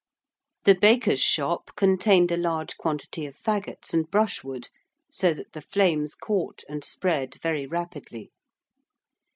The baker's shop contained a large quantity of faggots and brushwood, so that the flames caught and spread very rapidly.